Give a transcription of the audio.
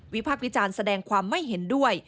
พากษ์วิจารณ์แสดงความไม่เห็นด้วย